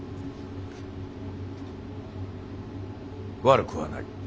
悪くはない。